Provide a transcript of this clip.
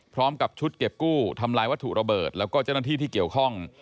พร้อมกับชุดเก็บกู้ทำลายวัตถุระเบิดแล้วก็เจ้าหน้าที่ที่เกี่ยวข้อง